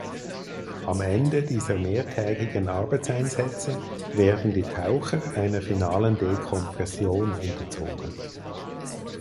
Am Ende dieser mehrtägigen Arbeitseinsätze werden die Taucher einer finalen Dekompression unterzogen.